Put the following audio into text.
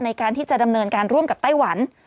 ในการที่จะดำเนินการร่วมกับไต้หวัน